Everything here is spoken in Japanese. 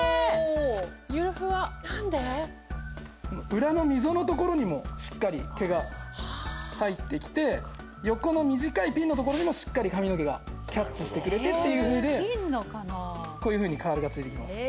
裏の溝の所にもしっかり毛が入ってきて横の短いピンの所にもしっかり髪の毛がキャッチしてくれてっていうふうでこういうふうにカールが付いてきます。